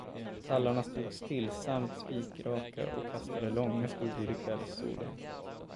Tallarna stod stillsamt spikraka och kastade långa skuggor i kvällssolen.